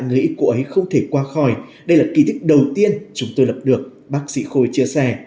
nghĩ cô ấy không thể qua khỏi đây là kỳ đích đầu tiên chúng tôi lập được bác sĩ khôi chia sẻ